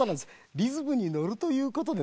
リズムにのるということでですね